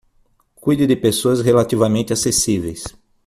Cuide de pessoas relativamente acessíveis